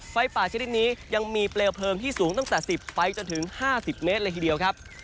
ไฟป่าชนิดนี้ยังมีเปลวเพลิงที่สูงตั้งแต่๑๐ไฟจนถึง๕๐เมตรเลยทีเดียวครับ